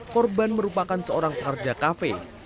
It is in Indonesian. korban merupakan seorang pekerja kafe